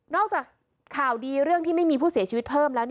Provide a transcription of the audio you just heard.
จากข่าวดีเรื่องที่ไม่มีผู้เสียชีวิตเพิ่มแล้ว